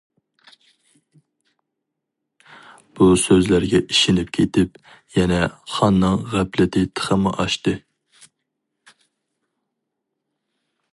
بۇ سۆزلەرگە ئىشىنىپ كېتىپ يەنە خاننىڭ غەپلىتى تېخىمۇ ئاشتى.